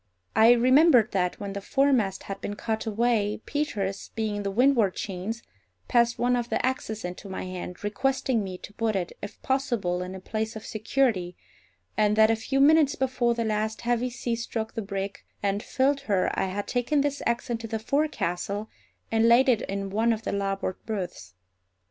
I remembered that, when the foremast had been cut away, Peters, being in the windward chains, passed one of the axes into my hand, requesting me to put it, if possible, in a place of security, and that a few minutes before the last heavy sea struck the brig and filled her I had taken this axe into the forecastle and laid it in one of the larboard berths.